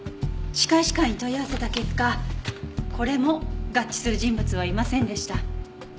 歯科医師会に問い合わせた結果これも合致する人物はいませんでした。